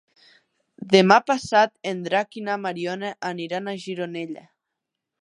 Demà passat en Drac i na Mariona aniran a Gironella.